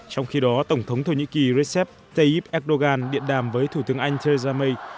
trong khi đó tổng thống thổ nhĩ kỳ recep tayyip erdogan điện đàm với thủ tướng anh theresa may